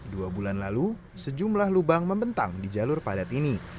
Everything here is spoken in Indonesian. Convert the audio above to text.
dua bulan lalu sejumlah lubang membentang di jalur padat ini